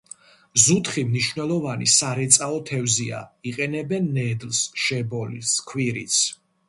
ზუთხი მნიშვნელოვანი სარეწაო თევზია, იყენებენ ნედლს, შებოლილს, ქვირითს.